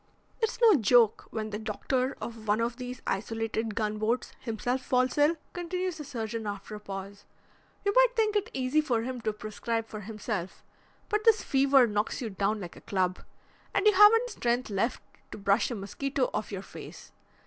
"It's no joke when the doctor of one of these isolated gunboats himself falls ill," continues the surgeon after a pause. "You might think it easy for him to prescribe for himself, but this fever knocks you down like a club, and you haven't strength left to brush a mosquito off your face.